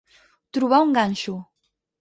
Trobar un ganxo.